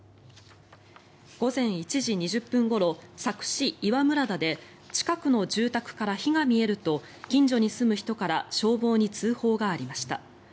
午前１時２０分ごろ佐久市岩村田で近くの住宅から火が見えると近所に住む人から消防に通報がありました。